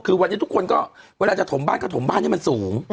คือวันนี้ทุกคนก็เวลาจะถมบ้านก็ถมบ้านให้มันสูง